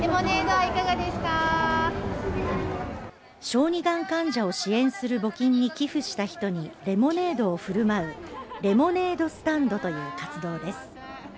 小児がん患者を支援する募金に寄付した人にレモネードを振る舞うレモネードスタンドという活動です